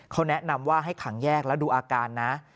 เขาแนะนำว่าให้ขังแยกแล้วดูอาการนะ